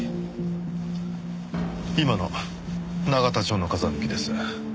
今の永田町の風向きです。